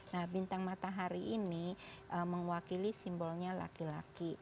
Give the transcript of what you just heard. nah bintang matahari ini mewakili simbolnya laki laki